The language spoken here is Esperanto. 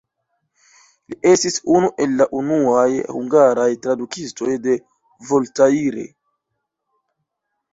Li estis unu el unuaj hungaraj tradukistoj de Voltaire.